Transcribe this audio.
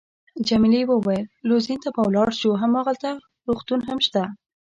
جميلې وويل:: لوزین ته به ولاړ شو، هماغلته روغتون هم شته.